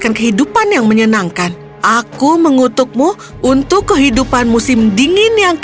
aku hanya ingin tempat berteduh dan juga makan malam yang hangat